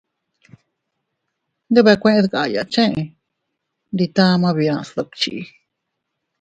Tndubekuen dkaya cheʼe ndi tama bia sdukchi.